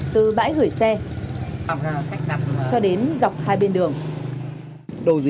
từ bãi gửi xe cho đến dọc hai bên đường